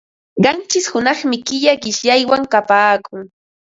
Qanchish hunaqmi killa qishyaywan kapaakun.